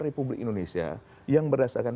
republik indonesia yang berdasarkan